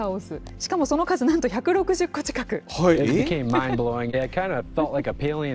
しかもその数、なんと１６０個近く。